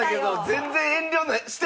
全然！